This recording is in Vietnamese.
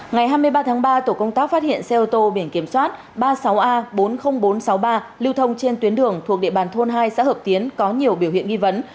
ngày hai mươi ba tháng ba tổ công tác phát hiện xe ô tô biển kiểm soát ba mươi sáu a bốn mươi nghìn bốn trăm sáu mươi ba lưu thông trên tuyến đường thuộc địa bàn thôn hai xã hợp tiến có nhiều biểu hiện nghi vấn